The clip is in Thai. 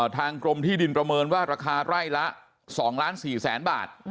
ทางกรมที่ดินประเมินว่าราคาไร่ละ๒๔๐๐๐บาท